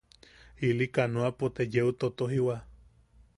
Ili kanoapo te yeu totojiwa.